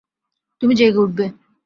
তুমি জেগে উঠবে।